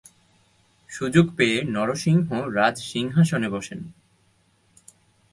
সুযোগ পেয়ে নরসিংহ রাজসিংহাসনে বসেন।